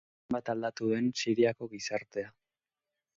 Zenbat aldatu den Siriako gizartea.